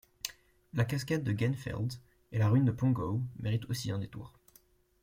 La cascade de Gainfeld et la ruine de Pongowe méritent aussi un détour.